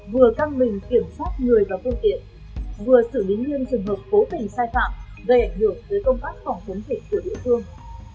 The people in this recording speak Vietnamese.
vừa căng mình kiểm soát người và phương tiện vừa xử lý nghiêm trường hợp cố tình sai phạm gây ảnh hưởng tới công tác phòng chống dịch của địa phương